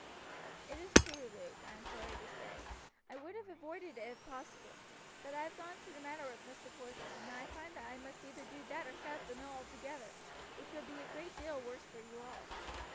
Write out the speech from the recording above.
"It is true, Luke, I am sorry to say. I would have avoided it if possible; but I have gone into the matter with Mr. Porson, and I find I must either do that or shut up the mill altogether, which would be a good deal worse for you all.